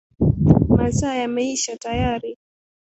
Masaa yameisha tayari.